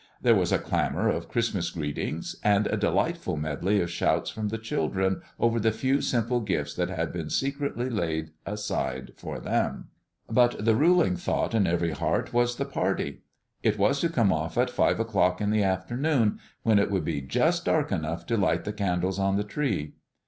There was a clamor of Christmas greetings, and a delighted medley of shouts from the children over the few simple gifts that had been secretly laid aside for them. But the ruling thought in every heart was the party. It was to come off at five o'clock in the afternoon, when it would be just dark enough to light the candles on the tree.